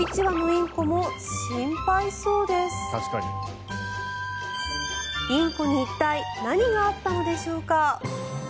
インコに一体、何があったのでしょうか。